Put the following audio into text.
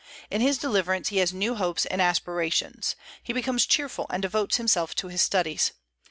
In his deliverance he has new hopes and aspirations; he becomes cheerful, and devotes himself to his studies.